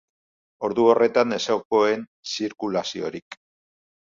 Ordu horretan ez zegoen zirkulaziorik.